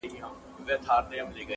دا موږ ولي همېشه غم ته پیدا یو!